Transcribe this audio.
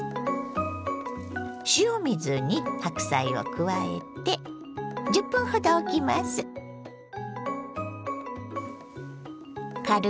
塩水に白菜を加えて１０分ほどおきます。